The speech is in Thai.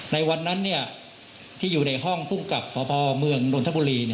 ในวันนั้นที่อยู่ในห้องภูมิกับสพเมืองนทบุรี